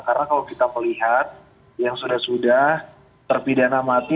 karena kalau kita melihat yang sudah sudah terpidana mati